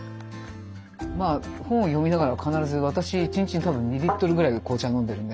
まあ本を読みながら必ず私１日に多分２リットルぐらい紅茶飲んでるんで。